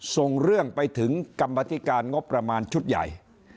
ส่งเรื่องไปถึงกรรมธิการงบประมาณชุดใหญ่